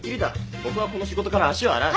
僕はこの仕事から足を洗う。